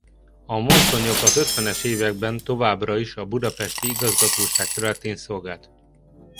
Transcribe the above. A mozdonyok az ötvenes években továbbra is a budapesti igazgatóság területén szolgált.